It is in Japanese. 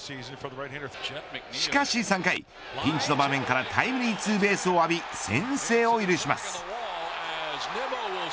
しかし３回、ピンチの場面からタイムリーツーベースを浴び先制を許します。